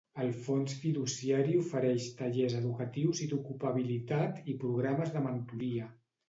El fons fiduciari ofereix tallers educatius i d'ocupabilitat i programes de mentoria.